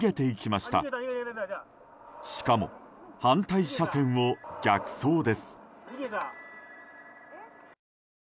しかも、反対車線を逆走です。